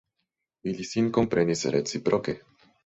Ili sin komprenis reciproke.